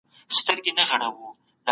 که دا او خاوند سره راضي سول، بيا جواز لري.